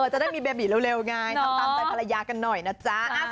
จะได้มีเบบีเร็วไงทำตามใจภรรยากันหน่อยนะจ๊ะ